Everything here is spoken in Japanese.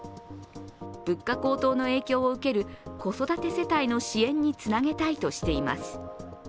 物価高騰の影響受ける子育て世帯の支援につなげたいとしています。